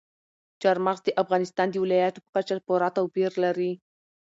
چار مغز د افغانستان د ولایاتو په کچه پوره توپیر لري.